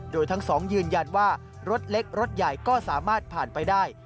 โดยทั้งสองยืนยันว่ารถเล็กรถใหญ่ก็สามารถผ่านไปได้